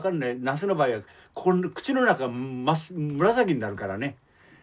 ナスの場合は口の中紫になるからね。